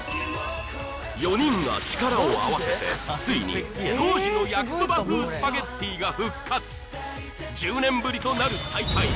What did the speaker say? ４人が力を合わせてついに当時の焼きそば風スパゲッティが復活１０年ぶりとなる再会